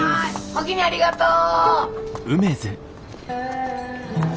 おおきにありがとう。